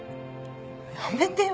やめてよ